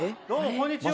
こんにちは。